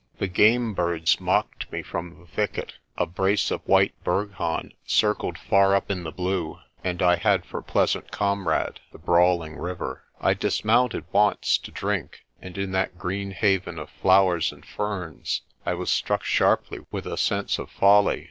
The game birds mocked me from the thicket; a brace of white berghaan circled far up in the blue; and I had for pleasant comrade the brawling river. I dismounted once to drink, and in that green haven of flowers and ferns I was struck sharply with a sense of folly.